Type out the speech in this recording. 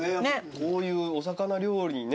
こういうお魚料理にね